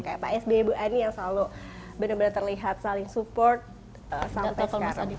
kayak pak s b ibu ani yang selalu benar benar terlihat saling support sampai sekarang